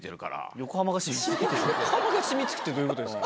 横浜が染み付くってどういうことですか？